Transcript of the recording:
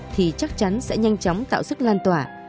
thì chắc chắn sẽ nhanh chóng tạo sức lan tỏa